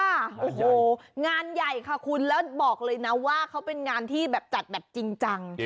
โอ้โหงานใหญ่ค่ะคุณแล้วบอกเลยนะว่าเขาเป็นงานที่แบบจัดแบบจริงจัง